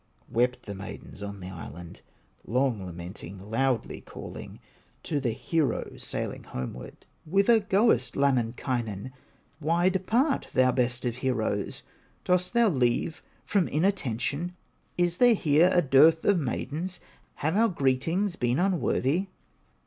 Wept the maidens on the island, Long lamenting, loudly calling To the hero sailing homeward: "Whither goest, Lemminkainen, Why depart, thou best of heroes? Dost thou leave from inattention, Is there here a dearth of maidens, Have our greetings been unworthy?"